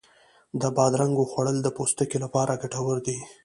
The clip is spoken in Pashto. د بادرنګو خوړل د پوستکي لپاره ګټور دی.